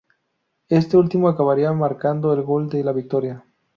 Este último acabaría marcando el gol de la victoria.